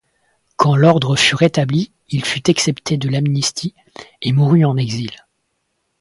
Quand l'ordre fut rétabli, il fut excepté de l'amnistie et mourut en exil.